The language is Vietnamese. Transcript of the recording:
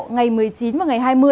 ngày một mươi chín và ngày hai mươi